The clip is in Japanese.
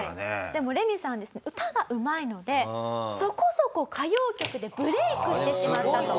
でもレミさんは歌がうまいのでそこそこ歌謡曲でブレークしてしまったと。